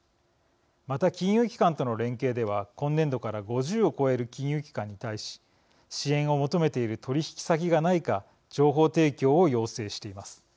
また、金融機関との連携では今年度から５０を超える金融機関に対し支援を求めている取引先がないか情報提供を要請しています。